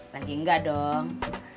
lagi enggak dong